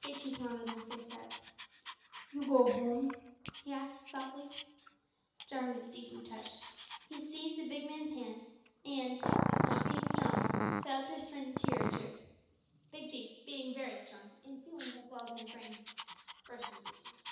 Big Chief nodded and looked very sad. "You go home?" he asked, softly. Jarwin was deeply touched, he seized the big man's hand, and, not being strong, failed to restrain a tear or two. Big Chief, being very strong in feelings as well as in frame burst into tears.